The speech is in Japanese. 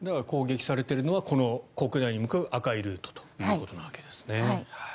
攻撃されているのは国内に向かう赤いルートということなんですね。